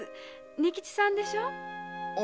仁吉さんでしょう。